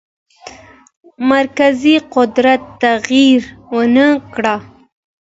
مرکزي قدرت تغییر ونه کړ.